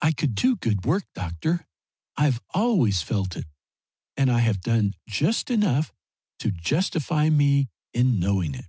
"I could do good work, doctor. I've always felt it, and I have done just enough to justify me in knowing it.